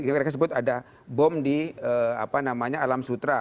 mereka sebut ada bom di alam sutra